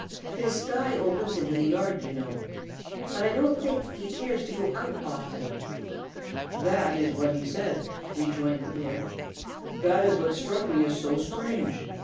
"His sty opens into the yard, you know. But I don't think he cares to go out often." "That is what he said," rejoined the bear. "That is what struck me as so very strange.